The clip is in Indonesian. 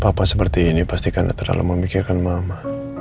papa seperti ini pastikan ada terdalam memikirkan mama